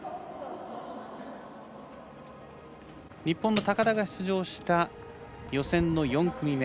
日本の高田が出場した予選の４組目。